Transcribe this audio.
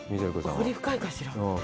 彫りが深いかしら。